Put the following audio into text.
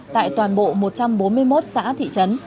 tại toàn bộ một trăm bốn mươi một xã thị trấn